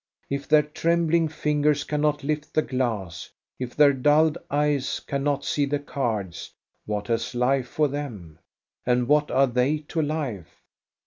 If their trembling fingers can not lift the glass, if their dulled eyes cannot see the cards, what has life for them, and what are they to life